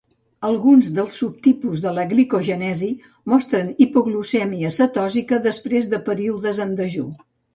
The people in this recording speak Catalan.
Alguns dels subtipus de la glicogènesi mostren hipoglucèmia cetòsica després de períodes en dejú.